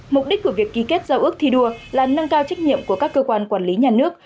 mục đích của việc ký kết giao ước thi đua là nâng cao trách nhiệm của các cơ quan quản lý nhà nước